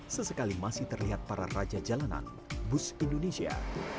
sesekali masih terlihat para raja jalanan bus indonesia